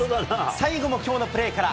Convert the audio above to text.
最後もきょうのプレーから。